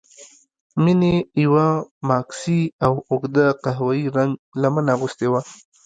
مينې يوه ماکسي او اوږده قهويي رنګه لمن اغوستې وه.